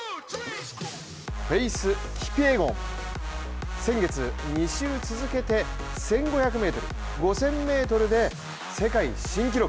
フェイス・キピエゴン、先月、２週続けて１５００ｍ、５０００ｍで世界新記録。